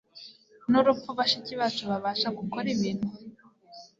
nurupfu Bashiki bacu babasha gukora ibintu